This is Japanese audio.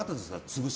潰し